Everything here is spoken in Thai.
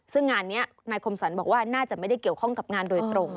ซึ่งงานนี้นายคมสรรบอกว่าน่าจะไม่ได้เกี่ยวข้องกับงานโดยตรง